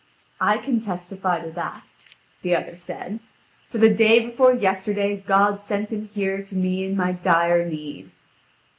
"I can testify to that," the other said: "for the day before yesterday God sent him here to me in my dire need.